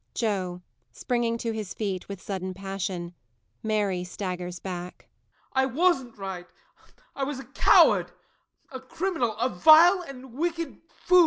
JOE. [Springing to his feet, with sudden passion. MARY staggers back.] I wasn't right I was a coward, a criminal a vile and wicked fool.